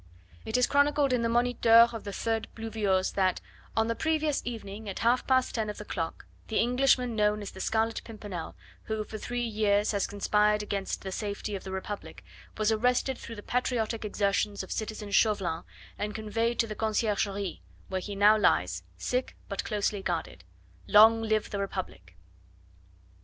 It is chronicled in the Moniteur of the 3rd Pluviose that, "on the previous evening, at half past ten of the clock, the Englishman known as the Scarlet Pimpernel, who for three years has conspired against the safety of the Republic, was arrested through the patriotic exertions of citizen Chauvelin, and conveyed to the Conciergerie, where he now lies sick, but closely guarded. Long live the Republic!"